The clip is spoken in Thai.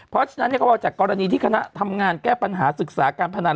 เพราะฉะนั้นก็ว่าจากกรณีที่คณะทำงานแก้ปัญหาศึกษาการพนัน